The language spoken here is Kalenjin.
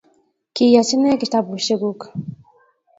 Kiyachi ne kitabushekguk?